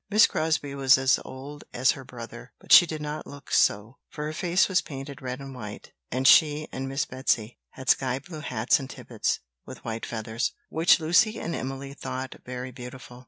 Miss Crosbie was as old as her brother, but she did not look so, for her face was painted red and white; and she and Miss Betsy had sky blue hats and tippets, with white feathers, which Lucy and Emily thought very beautiful.